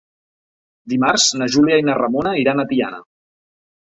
Dimarts na Júlia i na Ramona iran a Tiana.